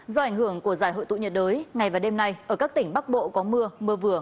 do ảnh hưởng của giải hội tụ nhiệt đới ngày và đêm nay ở các tỉnh bắc bộ có mưa mưa vừa